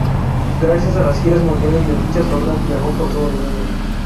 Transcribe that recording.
Gracias a las giras mundiales de dichas obras viajó por todo el mundo.